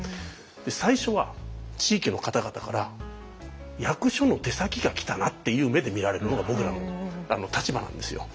最初は地域の方々から「役所の手先が来たな」っていう目で見られるのが僕らの立場なんですよ。